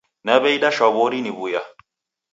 Naw'eida shwaw'ori niw'uya